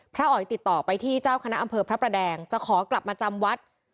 อ๋อยติดต่อไปที่เจ้าคณะอำเภอพระประแดงจะขอกลับมาจำวัด